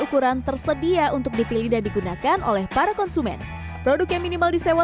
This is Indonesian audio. ukuran tersedia untuk dipilih dan digunakan oleh para konsumen produk yang minimal disewa